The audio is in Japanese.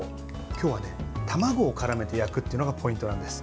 今日は卵をからめて焼くというのがポイントなんです。